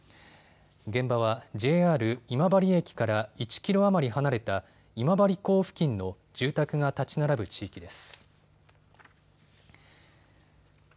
現場はＪＲ今治駅から１キロ余り離れた今治港付近の住宅が建ち並ぶ地域です。